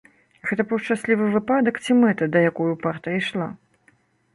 Гэта быў шчаслівы выпадак ці мэта, да якой упарта ішла?